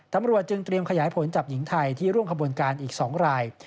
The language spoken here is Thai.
ตำรวจจึงเตรียมขยายผลจับหญิงไทยที่ร่วมขบวนการอีก๒ราย